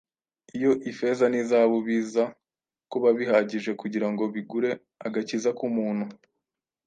Iyo ifeza n’izahabu biza kuba bihagije kugira ngo bigure agakiza k’umuntu,